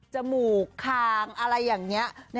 จมูกคางอะไรอย่างนี้